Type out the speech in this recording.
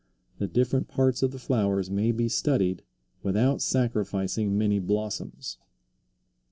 The different parts of the flowers may be studied without sacrificing many blossoms.